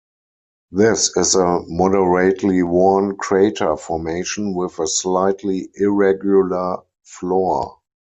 This is a moderately worn crater formation with a slightly irregular floor.